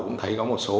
cũng thấy có một số